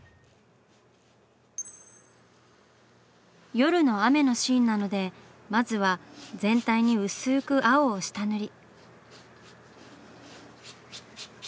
夜の雨のシーンなのでまずは全体に薄く青を下塗り。